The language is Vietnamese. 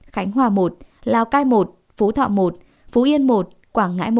khánh hòa một lào cai một phú thọ một phú yên một quảng ngãi một